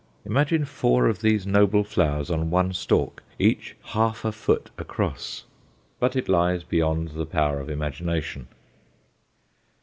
Imagine four of these noble flowers on one stalk, each half a foot across! But it lies beyond the power of imagination.